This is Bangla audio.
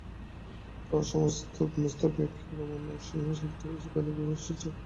তাঁহার মস্তকে এক হিরণ্ময় সিংহাসন, তদুপরি সীতাদেবী উপবিষ্ট।